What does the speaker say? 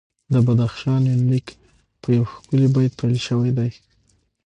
د بدخشان یونلیک په یو ښکلي بیت پیل شوی دی.